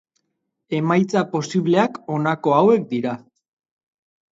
Emaitza posibleak honako hauek dira.